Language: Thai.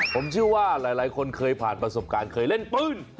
ผมเชื่อว่าหลายคนเคยผ่านประสบการณ์เคยเล่นปืน